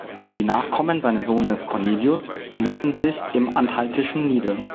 Die Nachkommen seines Sohnes "Cornelius" ließen sich im Anhaltischen nieder.